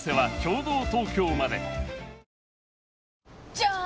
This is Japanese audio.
じゃーん！